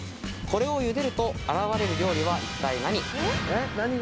これをゆでると現れる料理は一体何？